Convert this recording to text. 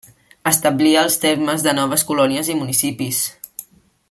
Establia els termes de noves colònies i municipis.